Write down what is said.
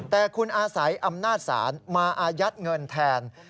แต่คุณอาศัยอำนาจศาลมาอายัดเงินแทน